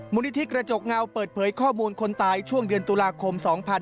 นิธิกระจกเงาเปิดเผยข้อมูลคนตายช่วงเดือนตุลาคม๒๕๕๙